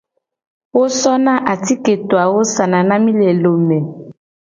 Wo sona atiketo awo sana na mi le lome.